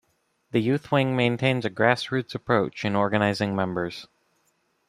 The youth wing maintains a grassroots approach in organising members.